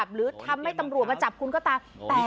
หรือทำให้ตำรวจมาจับคุณก็ตาม